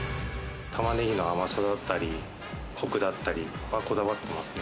玉ねぎの甘さだったり、コクだったりはこだわってますね。